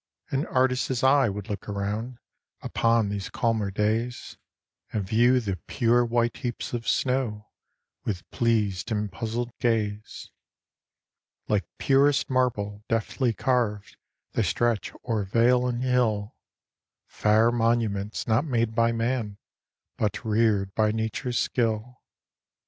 An artist's eye would look around, Upon these calmer days, And view the pure white heaps of snow, With pleas'd and puzzl'd gaze. Like purest marble, deftly carv'd, They stretch o'er vale and hill, Fair monuments, not made by man, But rear'd by nature's skill.